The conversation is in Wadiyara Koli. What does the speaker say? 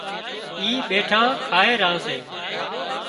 اِي ٻيٺان کائي ران سي